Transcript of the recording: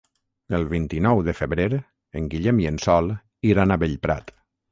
El vint-i-nou de febrer en Guillem i en Sol iran a Bellprat.